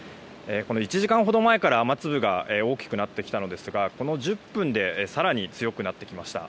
１時間ほど前から雨粒が大きくなってきたのですがこの１０分で更に強くなってきました。